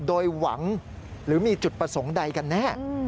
โดยหวังหรือมีจุดประสงค์ใดกันแน่